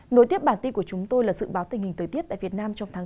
nối tiếp bản tin của chúng tôi là dự báo tình hình thời tiết tại việt nam trong tháng bốn